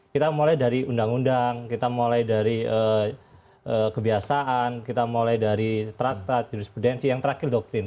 kita mulai dari undang undang kita mulai dari kebiasaan kita mulai dari traktat jurisprudensi yang terakhir doktrin